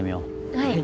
はい。